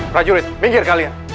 prajurit minggir kalian